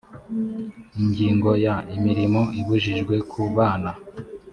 ingingo ya imirimo ibujijwe ku bana